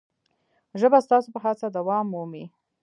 ژبه ستاسو په هڅه دوام مومي.